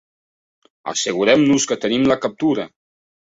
Assegure'm-nos que tenim la captura.